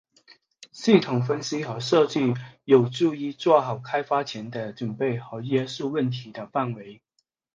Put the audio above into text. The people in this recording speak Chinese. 系统分析和设计有助于做好开发前的准备和约束问题的范围。